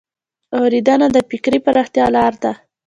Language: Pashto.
اورېدنه د فکري پراختیا لار ده